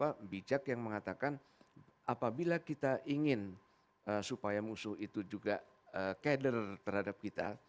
mereka bijak yang mengatakan apabila kita ingin supaya musuh itu juga keder terhadap kita